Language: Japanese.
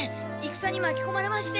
戦に巻きこまれまして。